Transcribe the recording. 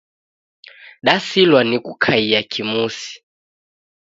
Dasilwa ni kukaia kimusi